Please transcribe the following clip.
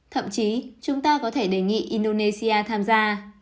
thậm chí chúng ta có thể đề nghị indonesia tham gia